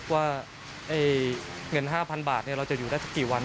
ว่าเงิน๕๐๐๐บาทเราจะอยู่ได้สักกี่วัน